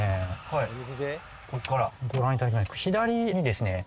はいここからご覧いただきたいんです左にですね